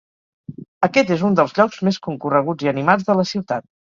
Aquest és un dels llocs més concorreguts i animats de la ciutat.